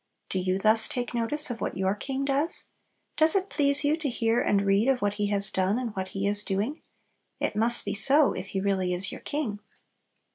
Do you thus take notice of what your King does? Does it please you to hear and read of what He has done and what He is doing? It must be so if He really is your King.